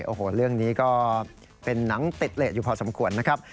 โอ้โหเรื่องนี้ก็เป็นหนังติดเลสอยู่พอสมควรนะครับ